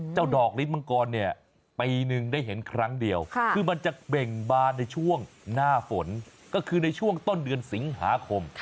ดอกลิ้นมังกรเนี่ยปีหนึ่งได้เห็นครั้งเดียวคือมันจะเบ่งบานในช่วงหน้าฝนก็คือในช่วงต้นเดือนสิงหาคม